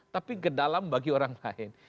tapi ke dalam bagi orang lain